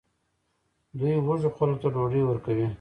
دوی وږو خلکو ته ډوډۍ ورکوي.